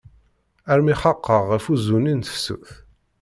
Armi xaqeɣ ɣef uzzu-nni n tefsut.